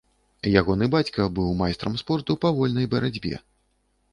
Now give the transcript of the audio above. Ягоны бацька быў майстрам спорту па вольнай барацьбе.